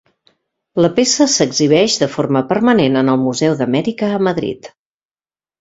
La peça s'exhibeix de forma permanent en el Museu d'Amèrica a Madrid.